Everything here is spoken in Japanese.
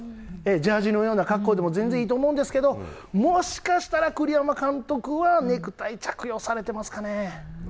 ジャージのような格好でも全然いいと思うんですけど、もしかしたら栗山監督は、ネクタイ着用されてますかね。